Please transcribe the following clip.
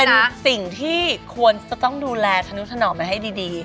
ใช่มั้ยมันเป็นสิ่งที่ควรจะต้องดูแลชณุทนอกมาให้ดี